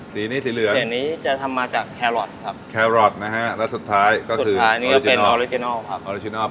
สีนี้สีเหลืองสีเหลือนนี้จะทำมาจากแครอทครับแครอทนะฮะแล้วสุดท้ายก็คือสุดท้ายนี่ก็เป็นครับ